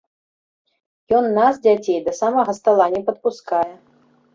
Ён нас, дзяцей, да самага стала не падпускае.